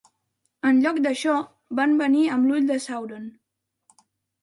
En lloc d'això, van venir amb l'Ull de Sàuron.